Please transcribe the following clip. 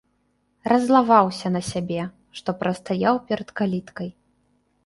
Раззлаваўся на сябе, што прастаяў перад каліткай.